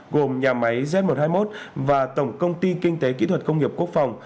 gồm nhà máy z một trăm hai mươi một và tổng công ty kinh tế kỹ thuật công nghiệp quốc phòng